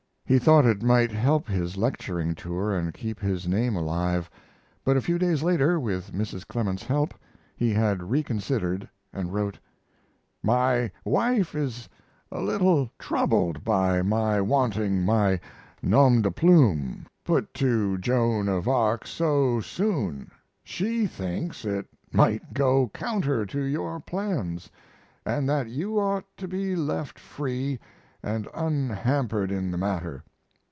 He thought it might, help his lecturing tour and keep his name alive. But a few days later, with Mrs. Clemens's help, he had reconsidered, and wrote: My wife is a little troubled by my wanting my nom de plume put to the "Joan of Arc" so soon. She thinks it might go counter to your plans, and that you ought to be left free and unhampered in the matter.